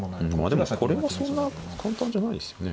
でもこれはそんな簡単じゃないですよね。